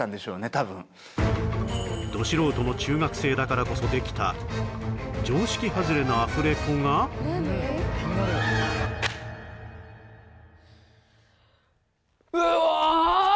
多分ど素人の中学生だからこそできた常識はずれのアフレコがうおーっ！